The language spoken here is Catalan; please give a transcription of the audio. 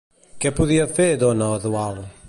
Què podia fer Don Eduald?